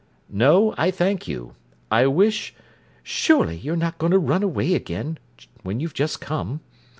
"No, I thank you. I wish—" "Surely you're not going to run away again, when you've just come.